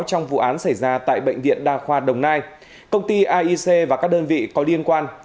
trong vụ án xảy ra tại bệnh viện đa khoa đồng nai công ty aic và các đơn vị có liên quan